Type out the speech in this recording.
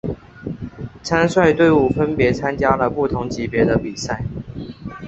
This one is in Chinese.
参赛队伍分别参加了不同级别的比赛。